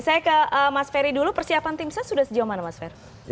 saya ke mas ferry dulu persiapan tim saya sudah sejauh mana mas ferry